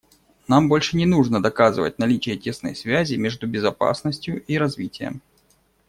Нам больше не нужно доказывать наличие тесной связи между безопасностью и развитием.